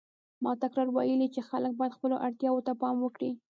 ما تکراراً ویلي چې خلک باید خپلو اړتیاوو ته پام وکړي.